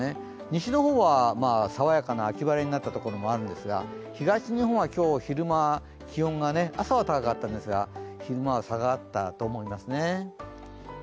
西の方は、爽やかな秋晴れになったところもあるんですが東日本は今日、朝は気温が高かったんですが、昼間は下がったと思いますね。